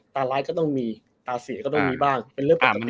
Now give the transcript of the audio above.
ตาร้ายก็ต้องมีตาเสียก็ต้องมีบ้างเป็นเรื่องปกติ